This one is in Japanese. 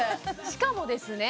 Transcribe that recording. しかもですね